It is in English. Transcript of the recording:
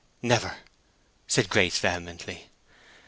"Never!" said Grace, vehemently.